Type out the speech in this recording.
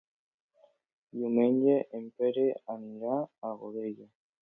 Diumenge en Pere anirà a Godella.